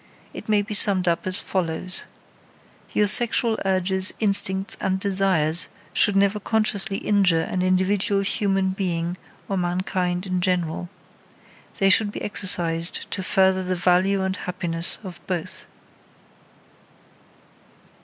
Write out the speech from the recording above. It may be summed up as follows: "Your sexual urges, instincts and desires should never consciously injure an individual human being or mankind in general. They should be exercised to further the value and happiness of both."